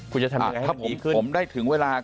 คุณอาทิตย์ค่ะผมได้ถึงเวลา